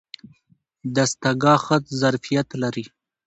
دستګاه ښه ظرفیت لري.